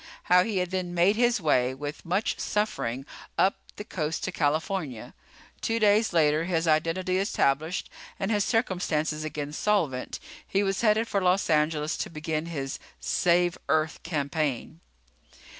How he had then made his way, with much suffering, up the coast to California. Two days later, his identity established and his circumstances again solvent, he was headed for Los Angeles to begin his save Earth campaign.